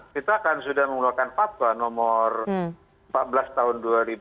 kita kan sudah mengeluarkan fatwa nomor empat belas tahun dua ribu dua puluh